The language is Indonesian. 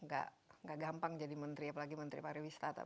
nggak gampang jadi menteri apalagi menteri pariwisata